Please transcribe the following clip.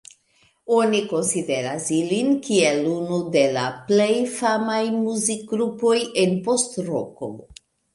Oni konsideras ilin kiel unu de la plej famaj muzikgrupoj en post-roko.